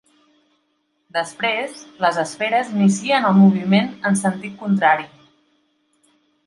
Després les esferes inicien el moviment en sentit contrari.